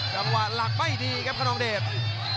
จังหวะหลักไม่ดีครับขนองเดช